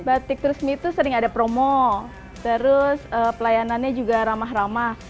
batik terusmi itu sering ada promo terus pelayanannya juga ramah ramah